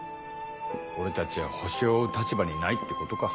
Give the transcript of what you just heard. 俺たちはホシを追う立場にないってことか。